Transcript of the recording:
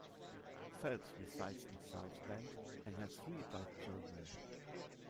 Phelps resides in South Bend and has three adult children.